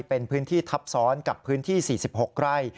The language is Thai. เป็นพื้นที่ทับซ้อนกับพื้นที่๔๖ไร่